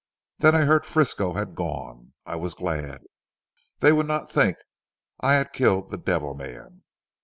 Then I heard Frisco had gone. I was glad. They would not think I had killed the devil man."